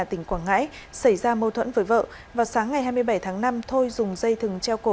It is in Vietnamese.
tỉnh quảng ngãi xảy ra mâu thuẫn với vợ vào sáng ngày hai mươi bảy tháng năm thôi dùng dây thừng treo cổ